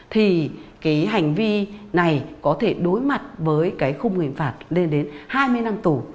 thì cái hành vi này có thể đối mặt với cái khung hình phạt lên đến hai mươi năm tù